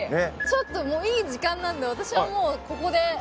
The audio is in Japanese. ちょっともういい時間なんで私はもう。